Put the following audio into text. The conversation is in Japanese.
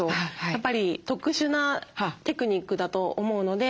やっぱり特殊なテクニックだと思うので。